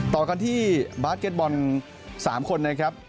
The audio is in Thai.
ต่อกันที่บาร์เก็ตบอล๓คนนะครับ